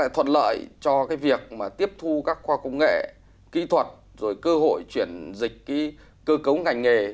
thuận lợi cho việc tiếp thu các khoa công nghệ kỹ thuật rồi cơ hội chuyển dịch cơ cấu ngành nghề